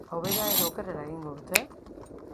Hobera edo okerrera egingo dute?